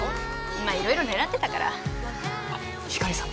まあ色々狙ってたからあっひかりさん